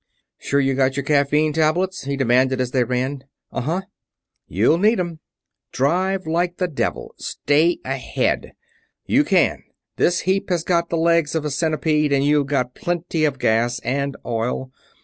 "Sure you got your caffeine tablets?" he demanded as they ran. "Uh huh." "You'll need 'em. Drive like the devil stay ahead! You can this heap has got the legs of a centipede and you've got plenty of gas and oil.